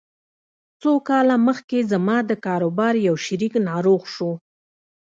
څو کاله مخکې زما د کاروبار يو شريک ناروغ شو.